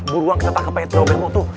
bu ruang kita tangkap aja trio bemo tuh